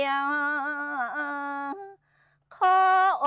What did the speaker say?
อ่าอ่าอ่าเอ่อ